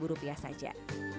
dua belas rupiah saja